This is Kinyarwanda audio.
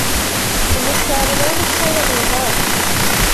umusaruro w'ubusore uri hafi